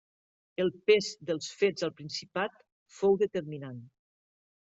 El pes dels fets al Principat fou determinant.